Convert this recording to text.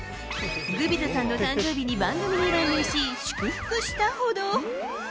グビザさんの誕生日に、番組に出演し、祝福したほど。